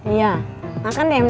iya makan deh